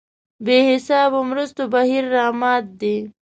بې حسابو مرستو بهیر رامات دی.